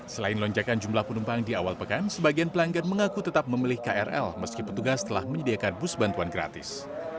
selain lonjakan jumlah penumpang di awal pekan sebagian pelanggan mengaku tetap memilih krl meski petugas telah menyediakan bus bantuan gratis